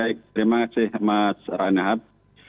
ya baik terima kasih mas raina hat